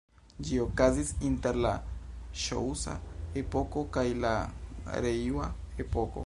Ĝi okazis inter la Ŝoŭa-epoko kaj la Rejŭa-epoko.